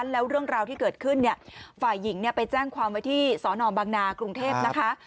แล้วเรื่องราวที่เกิดขึ้นเนี่ยฝ่ายหญิงไปแจ้งความไว้ที่สอนอบังนากรุงเทพนะคะ